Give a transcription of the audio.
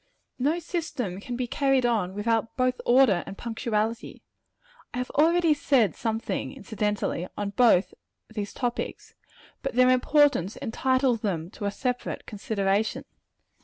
No system can be carried on without both order and punctuality. I have already said something, incidentally, on both of these topics; but their importance entitles them to a separate consideration.